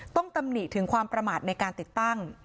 ตำหนิถึงความประมาทในการติดตั้ง